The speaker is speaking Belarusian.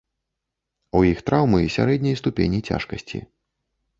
У іх траўмы сярэдняй ступені цяжкасці.